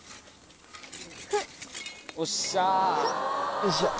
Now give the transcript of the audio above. よいしょ。